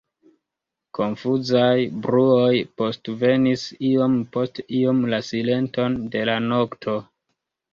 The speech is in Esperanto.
Konfuzaj bruoj postvenis iom post iom la silenton de la nokto.